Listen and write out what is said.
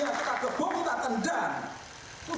yang kita gebuk kita tendang